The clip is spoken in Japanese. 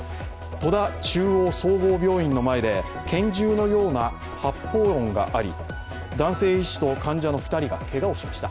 戸田中央総合病院の前で拳銃のような発砲音があり男性医師と患者の２人がけがをしました。